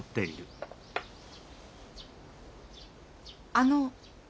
あの。